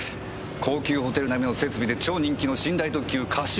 高級ホテル並みの設備で超人気の寝台特急カシオペアなんですから。